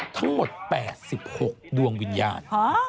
ทั้งหมด๘๖ดวงวิญญาณ